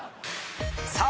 さあ